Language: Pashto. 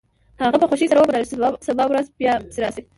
هغه په خوښۍ سره ومنله چې سبا ورځ بیا پسې راشي